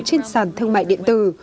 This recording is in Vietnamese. trên sàn thương mại điện tử